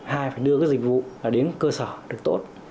hay phải đưa dịch vụ đến cơ sở được tốt